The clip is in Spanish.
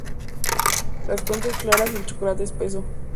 Las cuentas claras y el chocolate espeso